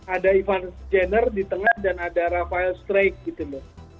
ada ivan jenner di tengah dan ada rafael straight gitu loh